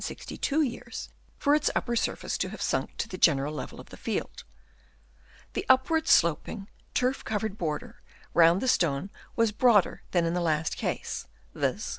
At this rate it would have required 262 years for its upper surface to have sunk to the general level of the field. The up wardly sloping, turf covered border round the stone was broader than in the last case, viz.